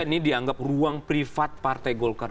ini dianggap ruang privat partai golkar